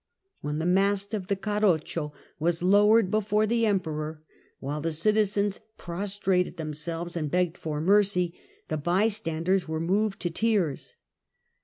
When the mast of the carroccio was lowered before the Emperor, while the citizens prostrated themselves and begged for mercy, the bystanders were moved to tears.